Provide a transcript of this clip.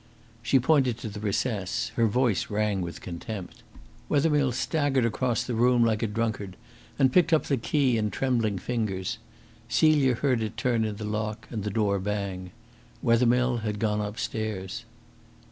She pointed to the recess; her voice rang with contempt. Wethermill staggered across the room like a drunkard, and picked up the key in trembling fingers. Celia heard it turn in the lock, and the door bang. Wethermill had gone upstairs.